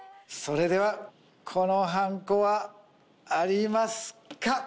それではこのはんこはありますか？